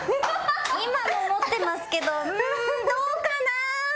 今も持ってますけどうんどうかな。